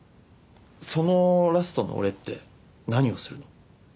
そのラストの俺って何をするの？